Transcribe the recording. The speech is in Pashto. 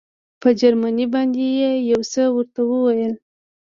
په جرمني باندې یې یو څه ورته وویل.